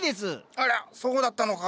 あらそうだったのか。